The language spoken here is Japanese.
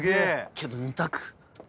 けど２択。